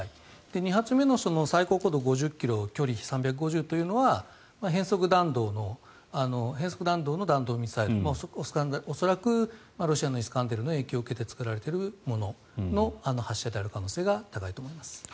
２発目の最高高度５０ｋｍ距離３５０ｋｍというのは変則弾道の弾道ミサイル恐らくロシアのイスカンデルの影響を受けて作られているものの可能性が高いと思います。